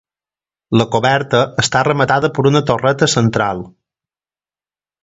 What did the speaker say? La coberta està rematada per una torreta central.